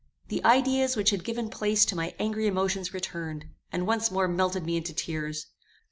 The ideas which had given place to my angry emotions returned, and once more melted me into tears.